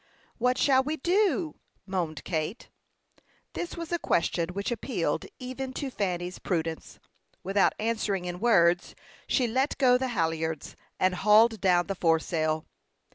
"What shall we do?" moaned Kate. This was a question which appealed even to Fanny's prudence. Without answering in words, she let go the halliards, and hauled down the foresail.